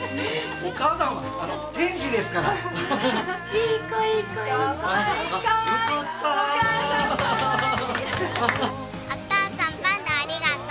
お父さんパンダありがとう。